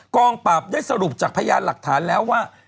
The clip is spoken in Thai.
กองปราบได้สรุปจากพยานหลักฐานแล้วว่า